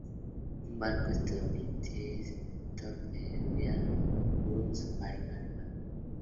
Un barco estadounidense es torpedeado por un submarino alemán.